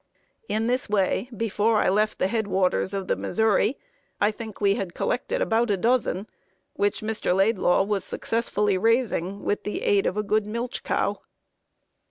In this way, before I left the headwaters of the Missouri, I think we had collected about a dozen, which Mr. Laidlaw was successfully raising with the aid of a good milch cow."